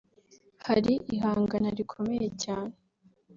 hari ihangana rikomeye cyane